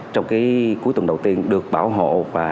trong cái cuối tuần đầu tiên được bảo hộ